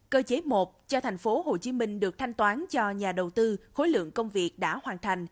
cơ chế một cho tp hcm được thanh toán cho nhà đầu tư khối lượng công việc đã hoàn thành